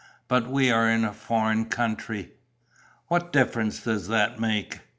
But we are in a foreign country...." "What difference does that make?"